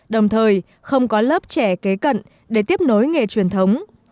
đồng thời không có lớp trẻ kế cận để tiếp nối nghề truyền thống